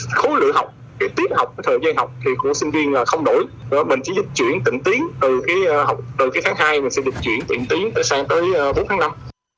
mình chỉ di chuyển tỉnh tiến từ cái tháng hai mình sẽ di chuyển tỉnh tiến sang tới bốn tháng năm